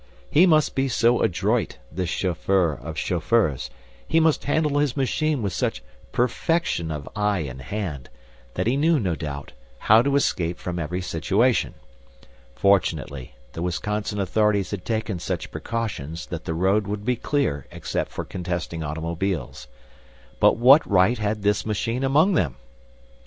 He must be so adroit, this chauffeur of chauffeurs, he must handle his machine with such perfection of eye and hand, that he knew, no doubt, how to escape from every situation. Fortunately the Wisconsin authorities had taken such precautions that the road would be clear except for contesting automobiles. But what right had this machine among them!